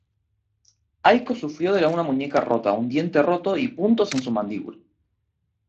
Aiko sufrió de una muñeca rota, un diente roto y puntos en su mandíbula.